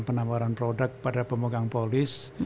penawaran produk pada pemegang polis